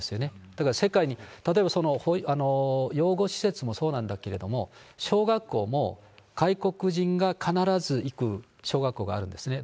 だから世界に、例えば、養護施設もそうなんだけれども、小学校も外国人が必ず行く小学校があるんですね。